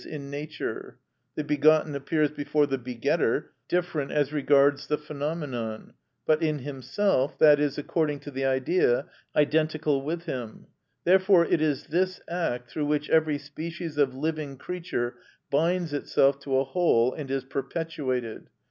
_, in nature; the begotten appears before the begetter, different as regards the phenomenon, but in himself, i.e., according to the Idea, identical with him. Therefore it is this act through which every species of living creature binds itself to a whole and is perpetuated.